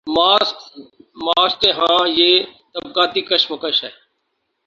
Marks کے ہاں یہ طبقاتی کشمکش ہے۔